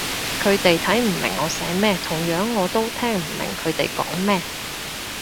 佢哋睇唔明我寫乜，同樣我都聽唔明佢哋講乜